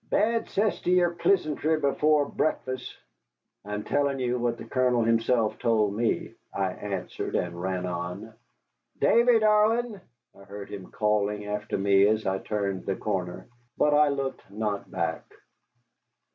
Bad cess to yere plisantry before breakfast." "I'm telling you what the Colonel himself told me," I answered, and ran on. "Davy, darlin'!" I heard him calling after me as I turned the corner, but I looked not back.